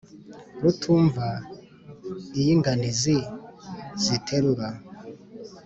rutumva ay' inganizi ziterura